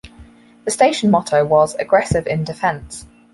The station motto was "Aggressive in Defence".